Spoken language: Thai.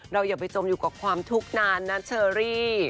อย่าไปจมอยู่กับความทุกข์นานนะเชอรี่